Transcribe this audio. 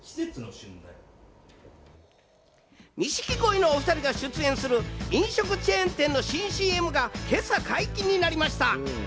錦鯉のお２人が出演する飲食チェーン店の新ＣＭが今朝、解禁になりました。